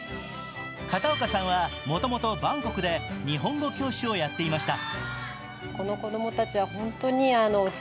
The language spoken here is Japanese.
片岡さんはもともとバンコクで日本語教師をやっていました。